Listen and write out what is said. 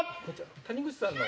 谷口さんの？